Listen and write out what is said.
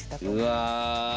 うわ。